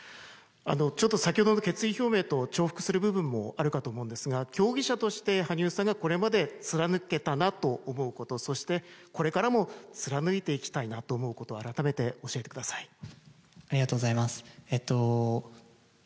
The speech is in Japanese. ちょっと先ほどの決意表明と重複する部分もあるかと思うんですが、競技者として羽生さんがこれまで貫けたなと思うこと、そしてこれからも貫いていきたいなと思うことを、改めて教えてくありがとうございます。